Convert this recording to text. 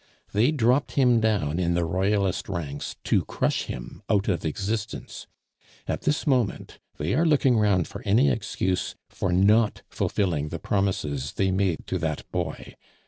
They dropped him down in the Royalist ranks to crush him out of existence. At this moment they are looking round for any excuse for not fulfilling the promises they made to that boy.